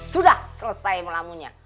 sudah selesai melamunnya